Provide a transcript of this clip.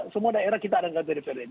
semua daerah kita ada kantor dprd